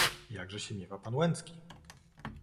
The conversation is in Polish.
"Jakże się miewa pan Łęcki?"